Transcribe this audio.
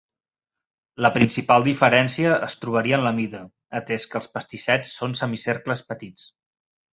La principal diferència es trobaria en la mida, atès que els pastissets són semicercles petits.